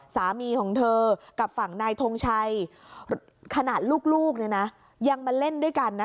สามีของเธอกับฝั่งนายทงชัยขนาดลูกยังมาเล่นด้วยกัน